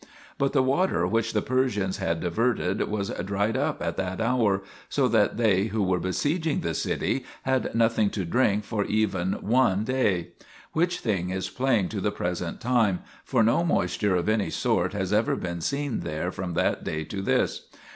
But the water which the Persians had diverted was dried up at that hour, so that they who were besieging the city had nothing to drink for even one day ; which thing is plain to the present time, for no moisture of any sort has ever been seen there from that day to this.